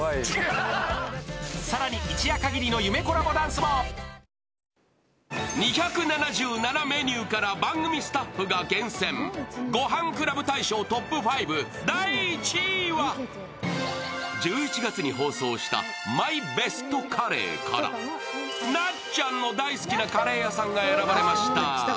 さらに２７７メニューから番組スタッフが厳選ごはんクラブ大賞ＴＯＰ５第１位は１１月に放送したＭＹＢＥＳＴカレーからなっちゃんの大好きなカレー屋さんが選ばれました